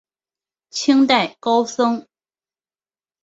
清代高僧。